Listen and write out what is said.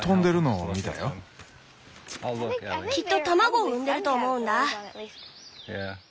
きっと卵を産んでると思うんだ。